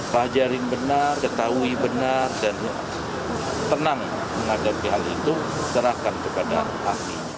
pelajarin benar ketahui benar dan tenang menghadapi hal itu serahkan kepada ahli